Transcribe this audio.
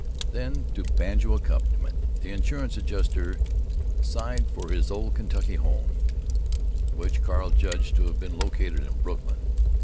Then, to banjo accompaniment, the insurance adjuster sighed for his old Kentucky home, which Carl judged to have been located in Brooklyn.